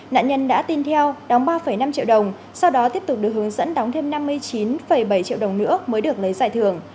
nạn nhân đã tin theo đóng ba năm triệu đồng sau đó tiếp tục được hướng dẫn đóng thêm năm mươi chín bảy triệu đồng nữa mới được lấy giải thưởng